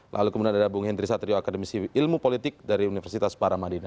lalu kemudian ada bung hendry satrio akademisi ilmu politik dari universitas paramadina